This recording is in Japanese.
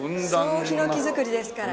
総ヒノキ造りですから。